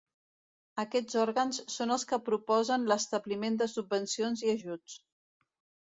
Aquests òrgans són els que proposen l'establiment de subvencions i ajuts.